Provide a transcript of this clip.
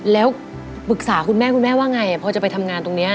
แล้วปรึกษาคุณแม่คุณแม่ว่าไงพอจะไปทำงานตรงนี้